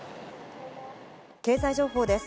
経済情報です。